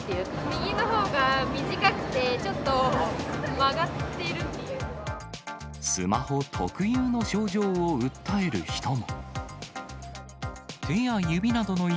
右のほうが短くて、ちょっとスマホ特有の症状を訴える人も。